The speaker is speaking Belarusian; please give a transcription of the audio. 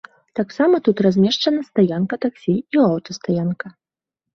Таксама тут размешчана стаянка таксі і аўтастаянка.